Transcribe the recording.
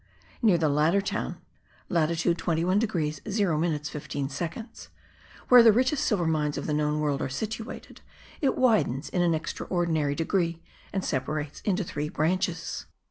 Near the latter town (latitude 21 degrees 0 minutes 15 seconds) where the richest silver mines of the known world are situated, it widens in an extraordinary degree and separates into three branches.